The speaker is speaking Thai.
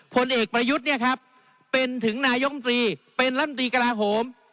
พลเอกประยุทธ์เนี่ยครับเป็นถึงนายกรมตรีเป็นรัฐมนตรีกราโฮม